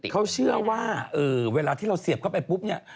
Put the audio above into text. เข้าเชื่อว่าเวลาที่เสียบกลับไปปุ๊บเนี่ย